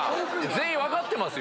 全員分かってますよ。